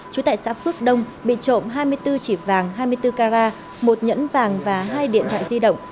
chú tại xã phước đông bị trộm hai mươi bốn chỉ vàng hai mươi bốn carat một nhẫn vàng và hai điện thoại di động